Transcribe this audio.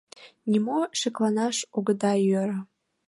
Нимо шекланаш огыда йӧрӧ...